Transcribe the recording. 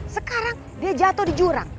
sekarang dia jatuh di jurang